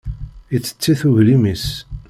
Ittett-it uglim-is.